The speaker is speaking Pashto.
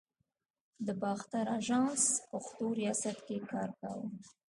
د باختر آژانس پښتو ریاست کې کار کاوه.